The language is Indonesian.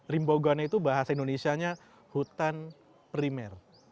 rimbogano itu bahasa indonesia nya hutan primer